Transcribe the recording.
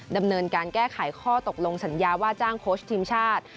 ดำเนินการแก้ไขข้อตกลงสัญญาว่าจ้างโค้ชทีมชาติ